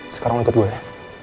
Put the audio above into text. sekarang ikut gue ya